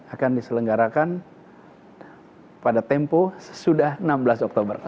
akan diselenggarakan pada tempo sesudah enam belas oktober